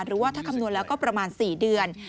หรือว่าถ้าคำนวณแล้วก็ประมาณ๔เดือน